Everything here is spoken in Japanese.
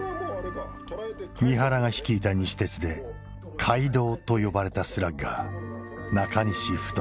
三原が率いた西鉄で怪童と呼ばれたスラッガー中西太。